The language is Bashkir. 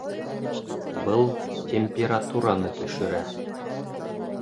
Был температураны төшөрә